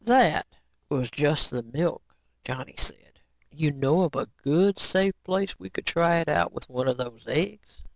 "That was just the milk," Johnny said. "You know of a good safe place we could try it out with one of those eggs?